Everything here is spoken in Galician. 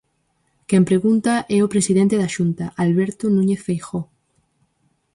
Quen pregunta é o presidente da Xunta, Alberto Núñez Feijóo.